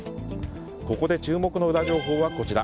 ここで注目のウラ情報はこちら。